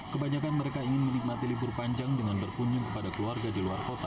kebanyakan mereka ingin menikmati libur panjang dengan berkunjung kepada keluarga di luar kota